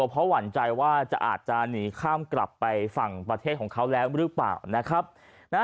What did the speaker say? เพราะหวั่นใจว่าจะอาจจะหนีข้ามกลับไปฝั่งประเทศของเขาแล้วหรือเปล่านะครับ